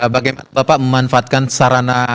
bagaimana bapak memanfaatkan sarana